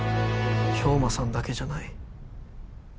兵馬さんだけじゃない。